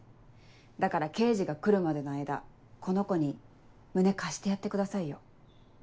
だから刑事が来るまでの間この子に胸貸してやってくださいよ。